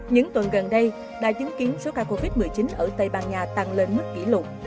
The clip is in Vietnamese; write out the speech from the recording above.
những tuần gần đây đã chứng kiến số ca covid một mươi chín ở tây ban nha tăng lên mức kỷ lục